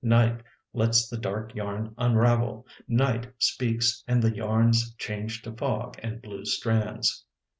Night lets the dark yarn unravel, Night speaks and the yarns change to fog and blue strands.